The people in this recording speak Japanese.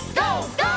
ＧＯ！